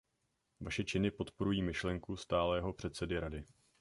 Vaše činy podporují myšlenku stálého předsedy Rady.